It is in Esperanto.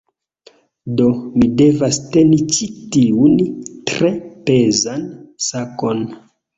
Do, mi devas teni ĉi tiun, tre pezan sakon